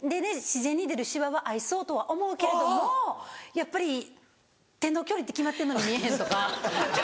自然に出るしわは愛そうとは思うけれどもやっぱり手の距離って決まってんのに見えへんとか。